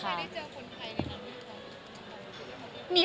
เข้าไปได้เจอคนใครนี่คะ